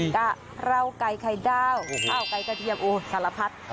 กะเพราไก่ไข่ดาวข้าวไก่กระเทียมโอ้สารพัด